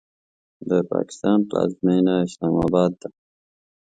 د پاکستان پلازمینه اسلام آباد ده.